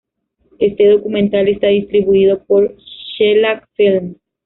Este documental está distribuido por Shellac Films.